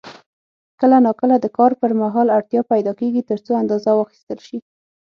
کله نا کله د کار پر مهال اړتیا پیدا کېږي ترڅو اندازه واخیستل شي.